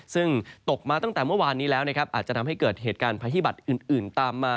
ซึ่งตกมาตั้งแต่เมื่อวานนี้แล้วนะครับอาจจะทำให้เกิดเหตุการณ์ภัยฮิบัตรอื่นตามมา